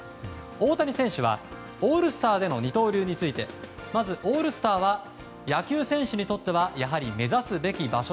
大谷選手はオールスターでの二刀流についてまず、オールスターは野球選手にとってはやはり目指すべき場所。